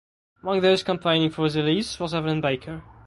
Among those campaigning for his release was Evelyn Baker.